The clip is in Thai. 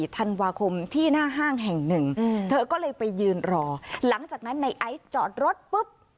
ธันวาคมที่หน้าห้างแห่งหนึ่งเธอก็เลยไปยืนรอหลังจากนั้นในไอซ์จอดรถปุ๊บ